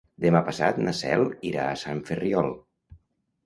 Demà passat na Cel irà a Sant Ferriol.